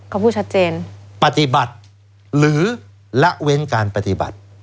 เขาพูดชัดเจนปฏิบัติหรือละเว้นการปฏิบัติ